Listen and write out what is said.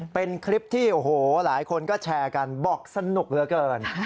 เป็นคลิปที่โอ้โหหลายคนก็แชร์กันบอกสนุกเหลือเกิน